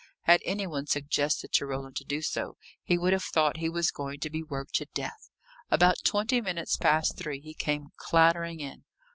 Had any one suggested to Roland to do so, he would have thought he was going to be worked to death. About twenty minutes past three he came clattering in.